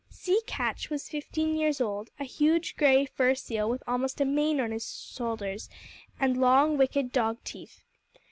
Sea Catch was fifteen years old, a huge gray fur seal with almost a mane on his shoulders, and long, wicked dog teeth.